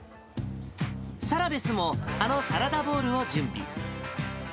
サラベスもあのサラダボウルを準備。